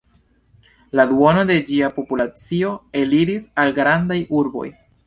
La duono de ĝia populacio eliris al grandaj urboj.